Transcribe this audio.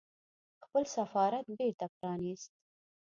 خپل سفارت بېرته پرانيست